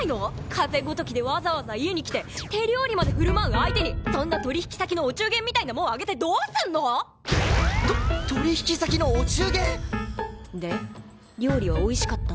風邪ごときでわざわざ家に来て手料理まで振る舞う相手にそんな取引先のお中元みたいなもんあげてどうすんの！？と取引先のお中元！？で料理はおいしかったの？